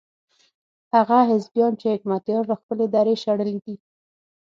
هغه حزبيان چې حکمتیار له خپلې درې شړلي دي.